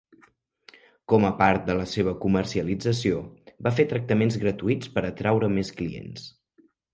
Com a part de la seva comercialització, va fer tractaments gratuïts per atraure més clients.